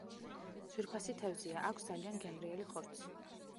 ძვირფასი თევზია, აქვს ძალიან გემრიელი ხორცი.